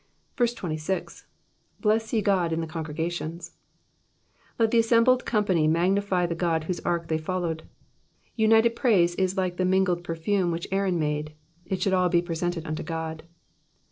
26. ^^ Bless ye God in the congregations,'''' Let the assembled company mag nify the God whose ark they followed. United piaise is like the mingled perfume which Aaron made, it should all be presented unto God.